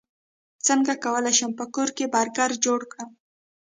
څنګه کولی شم په کور کې برګر جوړ کړم